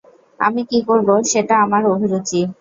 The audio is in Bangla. আমি কী করব সেটা আমার অভিরুচি।